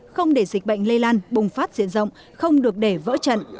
không để dịch bệnh lây lan bùng phát diện rộng không được để vỡ trận